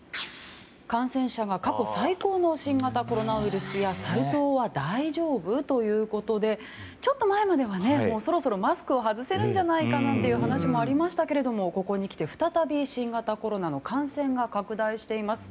感染者が過去最高の新型コロナウイルスやサル痘は大丈夫？ということでちょっと前まではそろそろマスクを外せるんじゃないかという話もありましたけれどもここにきて再び新型コロナの感染が拡大しています。